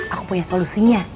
aku punya solusinya